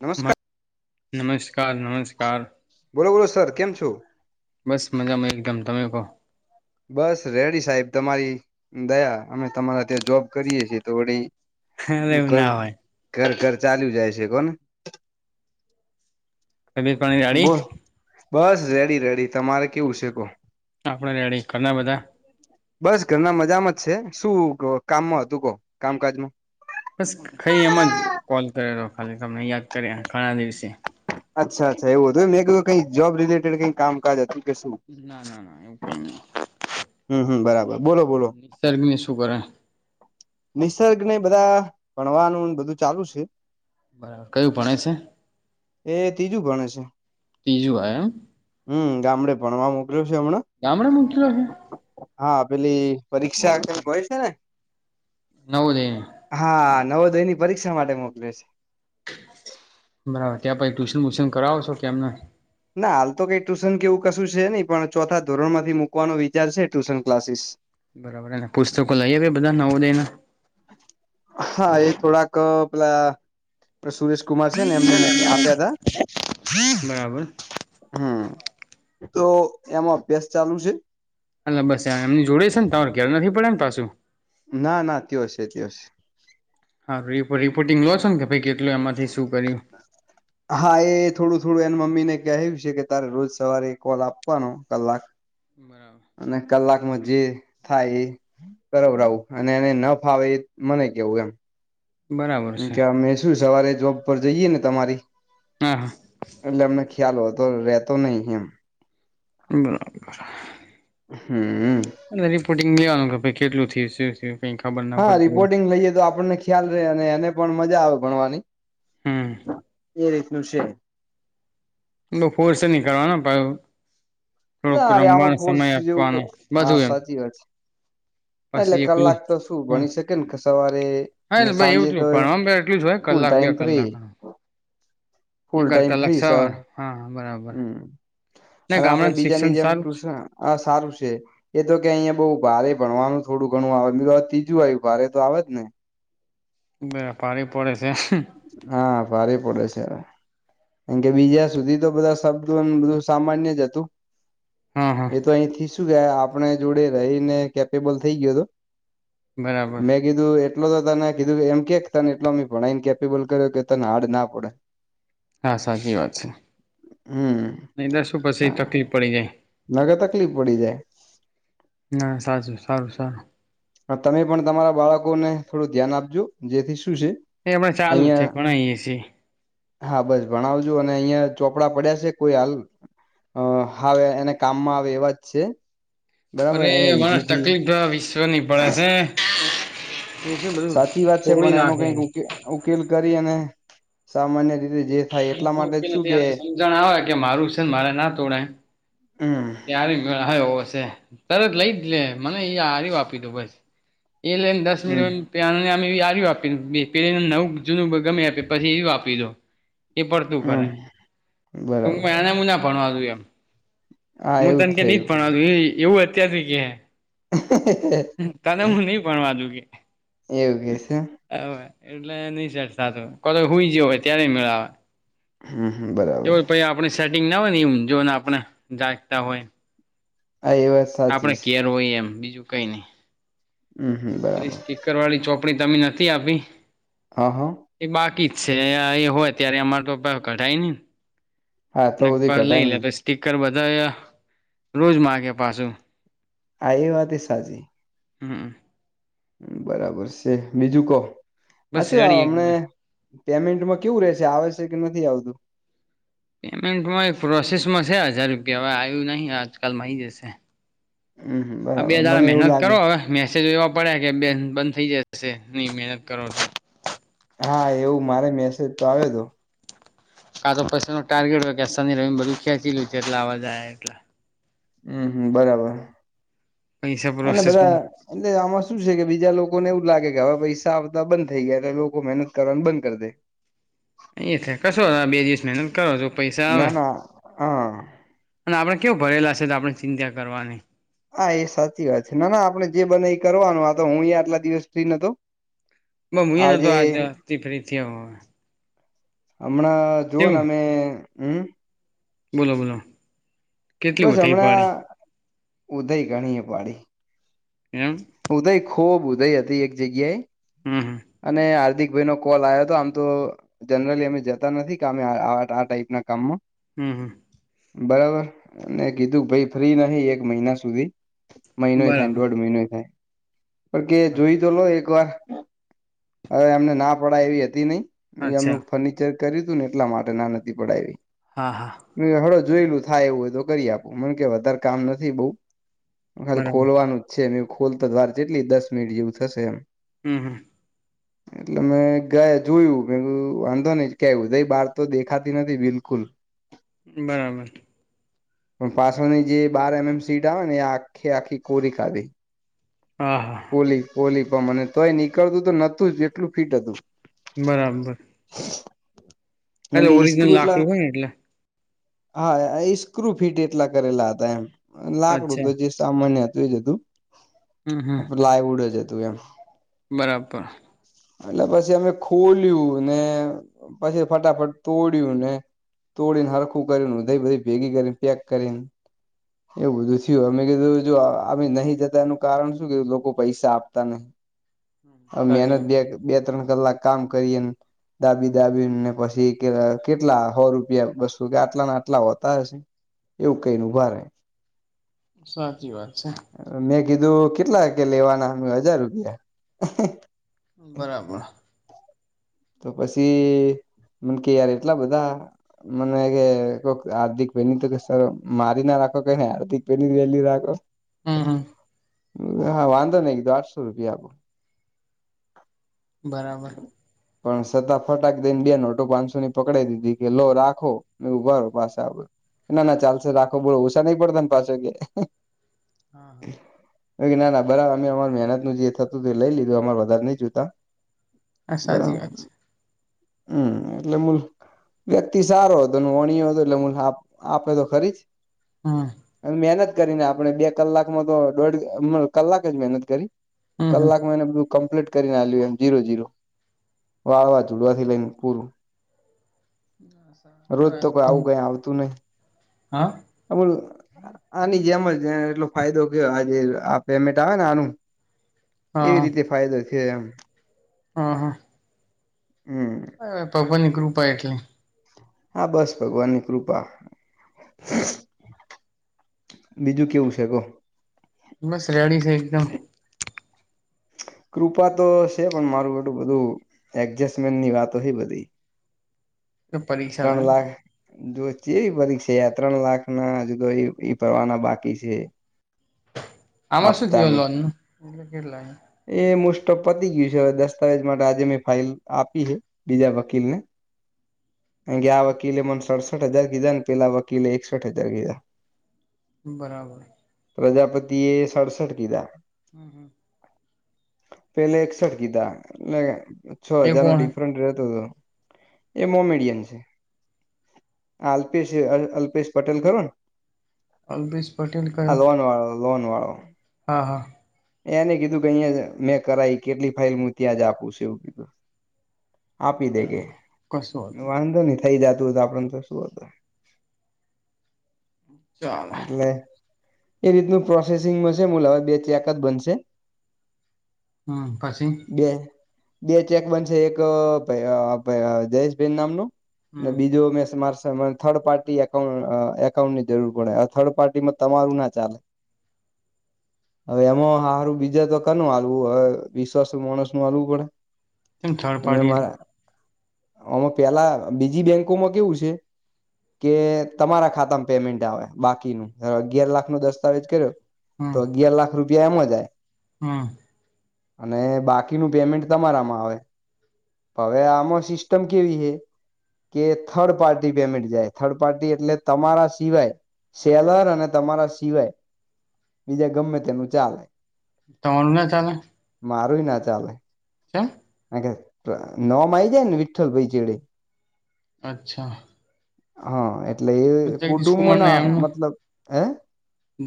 નમસ્કાર. નમસ્કાર નમસ્કાર. બોલો બોલો સર કેમ [unintelligible] બસ મજામાં એકદમ તમે કહો. બસ રેડી સાહેબ તમારી દયા અમે તમારા ત્યાં જોબ કરીએ છીએ તો [unintelligible] અરે [unintelligible] એવું ઘર ના હોય ઘર [unintelligible] જાય છે, કોને. બોલ [unintelligible] બસ રેડી રેડી તમારે કેવું છેેકો. આપણે [unintelligible] કરના બધા. બસ ઘરના મજામાં જ છે, શું કામમાં હતું કહ કામકાજમાં. બસ ખરી એમ જ કોલ કરેલો ખાલી તમને યાદ કરે ઘણા દિવસે. અચ્છા અચ્છા એવું હતું એ મેં કધ કઈ જોબિટેડ કઈ કામકાજ હતું કે શું. ના ના ના એવું કઈ નહી. હમ હમ બરાબર બોલો બોલો. નિસર્ગ ને શું કરે નિસર્ગ ને બધા ભણવાનું બધું ચાલુ છે. બરાબર કયું ભણે છે. એ ત્રીજું ભણે છે. ત્રીજું [unintelligible] હમ ગામડે પણમાં મોકલ્યો છે, હમણાં. [inaudible] હા પેલી પરીક્ષા કેમ હોય છે, ને. [unintelligible] હા નવોદય ની પરીક્ષા માટે મોકલે છે. બરાબર ત્યાં પછી ટ્યુશન વ્યુશન કરાવો છો કે એમ નેમ ના હાલ તો કઈ ટુશન કે એવું કશું છે નહી પણ ચોથા ધોરણ માંથી મુકવાનો વિચાર છે ટ્યુશન ક્લાસીસ બરાબરને પુસ્તકો લઈએ બધા નવો દયના હા એ થોડાક અ પેલા સુરેશ કુમાર છે ને એમને મો આપ્યા હતા [inaudible] બરાબર હમ તો એમાં અભ્યાસ ચાલુ છે? અલા બસ એમની જોડે છે તમાર ઘેર નથી પડયા ને પાછું ના ના ત્યોં છે ત્યોં છે હા રિપોર્ટિંગ લો છો ને કે ભાઈ કેટલું એમાંથી શું કર્યું હા એ થોડું થોડું એન મમ્મીને કહ્યું છે કે તારે રોજ સવારે કોલ આપવાનો કલાક હમ અને કલાક માં જે થાય એ કરવરાવ રાઉ અને એને ન ફાવે એ મને કેવું એમ બરાબર છે કે અમે શું સવારે જોબ પર જઈએ ને તમારી હા હા. એટલે અમને ખ્યાલ હો તો રેતો નહી એમ. બરાબર. હમ્મ હમ્મ. અને રિપોર્ટંગ લેવાનું કે ભાઈ કેટલું થયું શું થયું કઈ ખબર ના હા પડતી હોય રિપોર્ટિંગ લઈએ તો આપણને ખ્યાલ રે અને એને પણ મજા આવે ભણવાની હમ એ રીતનું છે. એનો ફોર્સ ની કરવાનો પ થોડુંક ના રે આમાં રમવાનો ફોર્સ સમય જેવું કે આપવાનો હા બધું એમ સાચી વાત છે એટલે પછી એકલું કલાક તો શું ભણી શકે ને સવારે હાને અને સાંજે એવલું તો ભણવાનું પછી એટલું જ હોય ફૂલ કલાક બે ટાઈમ કલાક ફ્રી એ ફૂલ કર ટાઈમ કલાક ફ્રી સર સવારે હા બરાબર હમ ના ગામડાનું શિક્ષણ સારું છે હા આ સારું છે એ તો કે અહિયાયા બઉ ભારે ભણવાનું થોડું ઘણું આવે તો ત્રીજું આવયું ભારે તો આવે જ ને ના ભારે પડે છે. હા ભારે પડે છે કારણ કે બીજા સુધી તો બધા શબ્દ બધું સામાન્ય જ હતું હા હા એ તો અહી થી શું કે આપણે જોડે રહીને કેપેબલ થઈ ગયો હતો. બરાબર મેં કીધું એટલો તો તને કીધું એમ કે તને એટલો ભણાઈ ને કેપેબલ કર્યો કે તને હારડ ના પડે હા સાચી વાત છે. હમ નહી દર શું પછી હા તકલીફ પડી જાય નગર તકલીફ પડી જાય ના સાચું સારું સારું તમે પણ તમારા બાળકોને થોડું ધ્યાન આપજો જેથી શું છે એ પણ ચાલુ જ છે અહિયાં પણ અહી એસી હા બસ ભણાવજો અને અહિયાં ચોપડા પડ્યા છે કોઈ હાલ અ હવે એને કામમાં આવે એવા જ છે. બરાબર અરે એને માણસ ઈજીથી તકલીફ વિશ્વની પડે છે. એ બધું સાચી વાત છે તોડી પણ એનો નાખે હે કઈક ઉકેલ કરી અને સામાન્ય રીતે જે થાય એટલા ઓકે માટે ઓકે શું નથી કે આલ્યું સમજણ આવે કે મારું છે ને મારે ના તોડાય હમ તારે મેળ આવે એવો છે તરત લઈ જ લે મને એ આપ્યું હતું બસ એ લઈ દસ હમ મિનિટને આ આપયુ પેને નવું જૂનું ગમે આપે પછી એવુ આપયુ તું એ પડ તું હમ કરે બરાબર તુંું એને મુું ના ભણવા દુ એમ હા હું એવું તણ કે નહી થયું જ ભું એવું અત્યાર સુથી કે તને હું નહી ભવા દુ કે એવું કે છે હવે એટલે નઈ ચતાું ક હઈ જ હોય ત્યારે મેળવા હમ હમ બરાબ એવ પ આપણે સેટિંગ ના હોય એમ જોને આપણે જાગતા હોય હ એવસ આપડે કેર હોય એમ બીજું કઈ નઈ હમ હમ પેલી બરાબર સ્ટીકર વાળી ચોપડી તમે નથી આપી હા હા એ બાકી જ છે એ હોય ત્યારે અમાર તો કઢાય નનેને હા તો નગપ બધી ઘટાય લઈ લે નહી તો સ્ટીકર બધા રોજ માગે પાછું આ એ વાતી સાચી હા બરાબર છે બીજું કો હ બસ શું આવ રેડી અમને એકદમ પેમેન્ટમાં કેવું ર રહેશે આવે છે કે નથી આવતું પેમેન્ટમાં એક પ્રોસેસમાં છે હજાર રૂપિયા હવે આવ્યું નહીં આજકાલ મળઈ જશે હમ આ બરાબર બેાર મને એવું મહેનત લાગે કરો હવે મેસેજો એવા પડ્યા કે બે બંધ થઈ જશે નહીં મહેનત કરો હા એવું મારે મેસેજ તો આવ્યો હતો કા તો પૈસા નો ટાર્ગેટ હોય કે ર બધું ખેંચીલું છે. એટલે અવાજ એટલે હમ હમ બરાબર પૈસા અને બધા પ્રોસેસમાં એટલે આમાં શું છે. કે બીજા લોકોને એવું લાગે કે હવે પૈસા આવતા બંધ થઈ ગયા એટલે લોકો મહેનત કરવાનું બંધ કર દે એ થ કશો આ બે દિવસ મહેનત કરો છો પૈસા આવે ના ના હા અને આપણે કેવું ભરેલા છે તો આપણે ચિંતા કરવાની હા એ સાચી વાત છે. ના ના આપડણે જે બના એ કરવાનું આ તો હું અ આટલા દિવસ સુ નતો બ હું એ નતો આજે આજેથી ફ્રીથી હ હવે હમણાં જુવઓ ને કેવું અમે હમ બોલો બોલો કેટલી બસ ઉઠાઈ પાડી હમણાં ઉદય ગણી એ પાડી એમ ઉદય ખૂબ ઉદય હતી એક જગ્યાએ હમ હા અને હાર્દિક ભાઈ નો કોલ આવ્યો હતો આમ તો જનરલી અમે જતા નથી કે અમે આ ટાઈપના કામમાં હમ હમ બરાબર કીધું ભાઈ ફ્રી નહિ એક મહિના સુધી મહિનોય થાય બરાબર દોઢ મહિનોય થાય પણ કે જોઈ તો લો વાર હવે એમને ના પડાય એવી હતી નહી એમ અચ્છા ફ કર્યું તું ને એટલા માટે ના નથી પડાવી હા હા હળો જોયેલું થાય એવું હોય તો કરી આપું મને કે વધારે કામ નથી બઉુ ખાલી બરાબર ખોલવાનું જ છે. એમ એવું ખોલતા દ્વાર જેટલી દસ મિનિટ જેવું થશે એમ હમ હ એટલે મેં ગયા જોયું મે વાંધો નહ કેવુંઈ બહાર તો દેખાતી નથી બિલકુલ બરાબર પણ પાછોની જે બાર એમ એમ સીટ આવે ને એ આખે આખી કોરી ખાધી હા હા પોલી પોલી પણ મને તોય નીકળતું તો નતું જ જેટલું ફીટ હતું બરાબર મન એટલે કે ઓરિજિનલ ઈસ્ક્રું એટલે? લાકડું હોય ને એટલે હા ઈસ્ક્રુ ફિટ એટલા કરેલાં હતાં એમ લાકડું તો અચ્છા જે સામાન્ય હતું એ જ હતું હમ હમ પ્લાયવુડ જ હતું એમ. બરાબર. એટલે પછી અમે ખોલ્યું ને પછી ફટાફટ તોડ્યુંને તોડીને હરખું કરી ઊધઇ બધી ભેગી કરીને પેક કરીને એવું બધું થયું અમે કીધું અમે નહીં જતા એનું કારણ શું કે લોકો પૈસા આપતા નહીં. [unintelligible] અવે મહેનત સાચી વાત બે બે ત્રણ કલાક કામ કરીએ ને દાબી દાબીને પસી કે કેટલા હો રૂપિયા બસુ કે આટલાન આટલા હોતા હશે? એવું કઈને ઊભા રે. સાચી વાત છે. મેં કીધું કેટલા એકે લેવાનાં હ મેં હજાર રૂપિયા. બરાબર. તો પસી મન કે યાર એટલાં બધાં? મને કે કોક હાર્દિકભઈની તો સર મારી ના રાખો કઈ હે હાર્દિકભઈની તો વેલ્યુ રાખો. હમ હમ હા વાંધો નહીં કીધું આઠસો રૂપિયા આપો. બરાબર. પણ સતા ફટાક દઈને બે નોટો પાંચસોની પકડાઈ દીધી કે લો રાખો. મેં કીધું ઊભા રો પાસા આપે ના ના ચાલશે રાખો બોલો ઓછા નહીં પડતાને પાછો કે. હા હા. એવું કે ના ના બરાબર અમે અમાર મહેનતનું જે થતું હતું એ લઈ લીધું અમાર વધારે નઈ જોતાં. હા, સાચી વાત છે. હમ્મ એટલે મૂલ વ્યક્તિ સારો હતો વોણયો હતો એટલે હું આ આપે તો ખરી જ. હ. એમ મહેનત કરીને આપણે બે કલાકમાં તો દોઢ કલાક જ મહેનત કરી. હમ હમ કલાકમાં એને બધું કમ્પ્લીટ કરીને આલ્યું એમ જીરો જીરો. વાવા ઝુડવાથી લઈને પૂરું. રોજ હા તો કોઈ આવું કંઈ આવતું નહીં આ મન આની જેમ જ એટલો ફાયદો કેયો આજે આ પેમેન્ટ આવેને આનું. હા એવી રીતે ફાયદો થયો એમ. અ હ. હમ્મ. હ ભગવાનની કૃપા એટલી. હા બસ, ભગવાનની કૃપા. બીજું કેવું છે કો? બસ રેડી છે એકદમ. કૃપા તો છે પણ મારું હાટું બધું એડજસ્ટમેન્ટની વાતો હે બધી. પરીક્ષા લ ત્રણ લાખ જો ચેવી બધી છે ત્રણ લાખના જુદ એ ફરવાના બાકી છે. આમાં શું થયું આપતાનું લોનનું? કેટલા હે? એ મુસ્ટફ પતી ગયું છે હવે દસ્તાવેજ માટે આજે મેં ફાઇલ આપી હે. બીજા વકીલને. કારણ કે આ વકીલે મને સડસઠ હજાર કીધાં ને પેલાં વકીલે એકસઠ હજાર કીધાં. બરાબર. પ્રજાપતિએ સડસઠ કીધાં. હમ્મ હમ્મ. પેલે એકસઠ કીધાં એટલે છ એ હજારનો કોણ ડિફરન્ટ રેતો હતો. એ મોમેડિયન છે. આ અલ્પેશ અલ્પેશ પટેલ ખરું ને અલ્પેશ પટેલ હા કયો લોન વાળો લોન વાળો હા હા એને કીધું કે અહીં મેં કરાઈ કેટલી ફાાઈલ હું ત્યાં જ આપું છું એવું કીધું આપી દે કે બરાબર કશું હતું વાંધો નહી થઈ જતું હતું આપડ તો શું હતું ચાલે એટલે એ રીતનું પ્રોસેસિંગમાં છે મુલ હવે બે ચ્યાકા જ બનશે હમ પછી બે બે ચેક બનશે એક જયેશભેન નામનું અને હમ બીજું મેં માર થર્ડ પાર્ટી એકઉ એકાઉન્ટ ની જરૂર પડે થર્ડ પાર્ટી માં તમારું ના ચાલે હવે એમાં સારું બીજા તો કેનું હલવું હવે વિશ્વાસ માણસ નું હલવું પડે કેમ થર્ડ અમે પાર્ટી અમારા આમાં પેલા બીજી બેંકોમાં કેવું છે કે તમારા ખાતામાં પેમેન્ટ આવે બાકીનુંું અગિયાર લાખ નો દસ્તાવેજ કર્યો તો અગિયાર લાખ રૂપિયા એમ જાય હા અને બાકીનું પેમેન્ટ તમારામાં આવે હવે આમ સિસ્ટમ કેવી છે કે થર્ડ પાર્ટી પેમેન્ટ જાય થર્ડ પાર્ટી એટલે તમારા સિવાય સેલર અને તમારા સિવાય બીજા ગમે તેનું ચાલે તમારું ના ચાલે મારું ય ના ચાલે કેમ [unintelligible] નામ આવી જાય ને વિઠ્ઠલ ભાઈ ચેડે અચ્છા હા એ એટલે એ જગદીશ કુટુંબ કુમાર ને ના એમનું મતલબ હે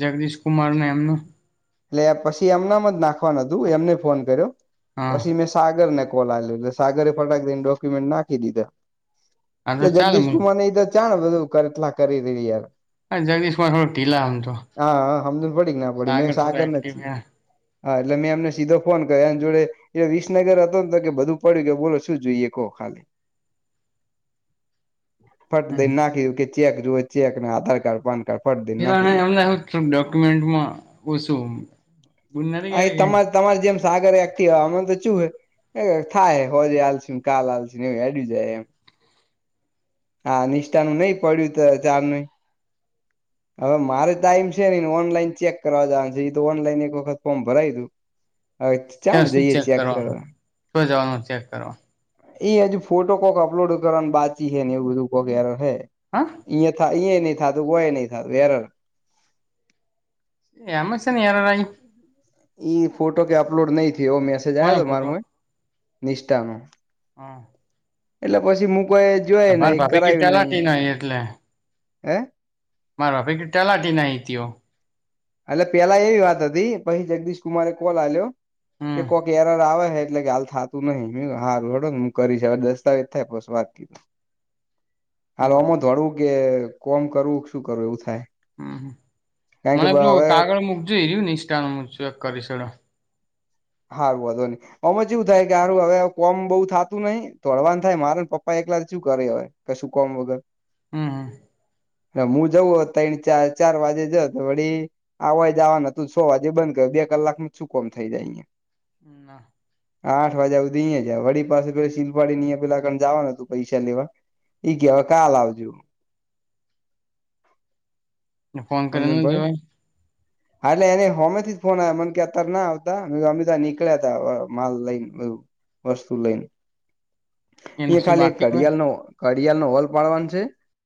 જગદીશ કુમાર ને એમનું એટલે પછી એમનામ જ નાખવાનું હતું એમને ફોન કર્યો હા પછી મે સાગર ને કોલ આઈલો સાગરે ફટાકકી દેન ડોક્યુમેન્ટ નાખી દીધા હા તે તો ચાલે મ જગદીશ કુમાર એ તો ચા બધું કરટલા કરી ર યાર જગદીશ કુમાર થોડા ઢીલા આમ તો હા સમજણ પડી કે ના પડી મેં થોડા સાગર એક્ટિવ [unintelligible] હા એટલે મેં એમને સીધો ફોન કર્યો એમ જોડે એ વિસ વિસનગર હતો ને તો કે બધું પડ્યું કે બોલો શું જોઈએ કહો ખાલી ફટ દઈ નાખીધું કે ચેક જોુવે ચેક ને આધાર કાર્ડ પાન કાર્ડ ફટ દઈને નાખી દીધું પેલા [unintelligible] ડોક્યુમેન્ટમાં ઓછું આ તમારે [unintelligible] તમારે જેમ સાગર એક્ટિવ અમે [unintelligible] થાય હોજ હાલસી કાલ આાલસી એ હેડી જાય એમ હા નિષ્ઠાનું નહ પડ્યું તોય ચાર ન [inaudible] હવે મારે ટાઈમ છે નઈને ઓનલાઈન ચેક કરવા જવાનું છે એ તો ઓનલાઈન એક વખત ફોર્મ ભરાયયું શું ચેક કરવાનું કરવા ચો જવાનું ચેક કરવાનું એ હજુ ફોટો કોક અપલોડ કરવાની બાકી હે ને એવું બધું કોક હે હા ય થા ઈ નહી થાતું નહી થું વેર એમાં એની એરર આઈ ઈ ફોટો કે અપલોડ નહી થયો એવો મેસેજ આવયો કોનો હતો માર ફોટો માં નિષ્ઠાનો હા એટલે પછી મુું કોઈ જોય નહીં કરાવ્યું નહીં અહીં એટલે હે મારે ભે કે તલાટી ના તઓ [unintelligible] એટલે પેલા એવી વાત હતી પછી જગદીશ કુમારે કોલ આલ્યો કે હમ કોઈક એરર આવે હે એટલે કે હાલ થતું નહીિ હાર રડો ને હું કરીશ હવે દસ્તાવેજ થાય બસ વાત કીધ [inaudible] બર હાલમો ધોડવું કે કોમ કરવું શું કરવું એવું થાય હમ કારણ કે મને પલું હવે કાગળ મૂકજે [unintelligible] નિષ્ઠાનું હું ચેક કરીશ હેડો હાવ વાંધો નઈ અમાં એવું થાય કેારું હવે કોમ બઉુ થતું નહીિ દોડવાનું થાય મારે ને પપ્પા એકલાર શું કરે હવે કશું કોમ વગર હમ હમ હું જઉું તન ચાર ચાર વાગે જાય તો વળી આવા જવા ન હતું છો વાગે બંધ કર બે કલાકમાં શું કોમ થઈ જાય અહીંયા હમ ના આઠ વાગ્યા સુધી અહીંયા જાય વડી પાસે પાછું સિલપાડી નીં પેલા કાન જવાનું હતું પૈસા લેવા ઈ કે અવે કાલ આવજો [inaudible] ફોન કરીને સમજણ પડી જવાય એટલે એને હોમેથીજ ફોન આયો મને કે અત્યારે ના આવતા [unintelligible] નીકળ્યા તા અવે માલ લઈને બધું વસ્તુ લઈને એમ એ શું ખાલી બાકી હોય? ઘડિયાળ નો ઘડિયાળ નો હોલ પાડવાનો છે